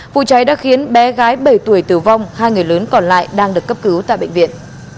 vụ cháy đã khiến bé gái bảy tuổi tử vong hai người lớn còn lại đang được cấp cứu tại bệnh viện